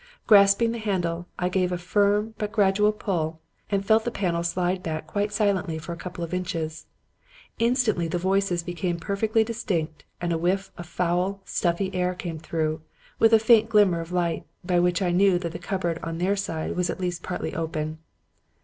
Grasping the handle, I gave a firm but gradual pull, and felt the panel slide back quite silently for a couple of inches. Instantly the voices became perfectly distinct and a whiff of foul, stuffy air came through, with a faint glimmer of light; by which I knew that the cupboard on their side was at least partly open.